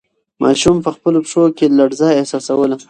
ماشوم په خپلو پښو کې لړزه احساسوله.